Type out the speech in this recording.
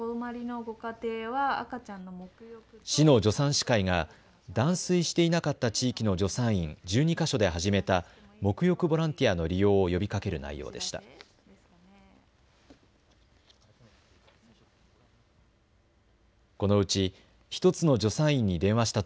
市の助産師会が断水していなかった地域の助産院、１２か所で始めたもく浴ボランティアの利用を呼びかける内容でした。